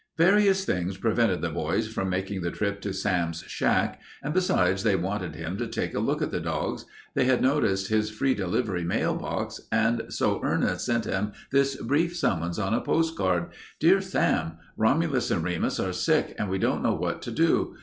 Various things prevented the boys from making the trip to Sam's shack, and besides they wanted him to take a look at the dogs. They had noticed his free delivery mail box and so Ernest sent him this brief summons on a postal card: DEAR SAM: Romulus and Remus are sick and we don't know what to do.